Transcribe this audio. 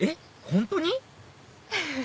本当に？